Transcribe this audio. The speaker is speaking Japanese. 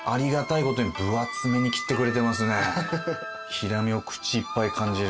平目を口いっぱい感じる